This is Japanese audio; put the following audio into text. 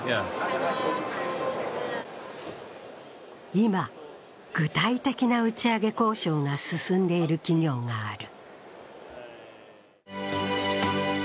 今、具体的な打ち上げ交渉が進んでいる企業がある。